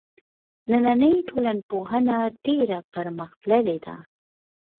نننۍ ټولنپوهنه ډېره پرمختللې ده.